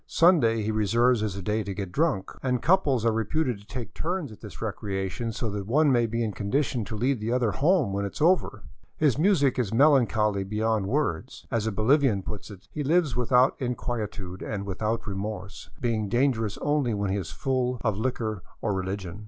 Sunday he reserves as a day to get drunk, and couples are reputed to take turns at this recreation, so that one may be in condition to lead the other home when it is ove;r. His music is melancholy beyond words. As a Bolivian puts it, " He lives without inquietude and without remorse, being dangerous only when he is full or liquor or religion.